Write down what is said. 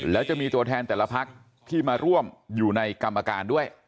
แล้วจะมีตัวแทนแต่ละพักที่มาร่วมอยู่ในกรรมการด้วย